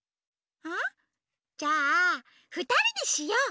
あっじゃあふたりでしよう！